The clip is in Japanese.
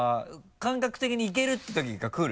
感覚的に「いける」っていうときが来る？